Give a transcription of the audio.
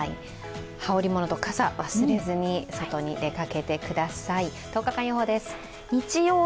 羽織物と傘、忘れずに外に出かけてください。